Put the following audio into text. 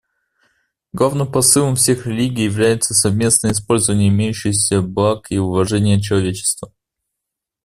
Главным посылом всех религий является совместное использование имеющихся благ и уважение человечества.